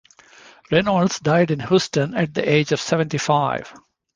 Reynolds died in Houston at the age of seventy-five.